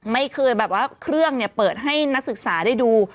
ไม่เคยแบบว่าเครื่องเปิดให้นักศึกษาได้ดู